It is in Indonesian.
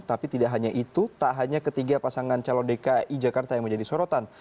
tapi tidak hanya itu tak hanya ketiga pasangan calon dki jakarta yang menjadi sorotan